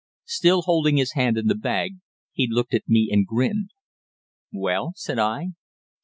Still holding his hand in the bag, he looked at me and grinned. "Well?" said I.